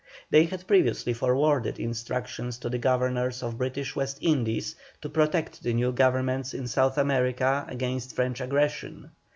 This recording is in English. They had previously forwarded instructions to the governors of the British West Indies to protect the new governments in South America against French aggression.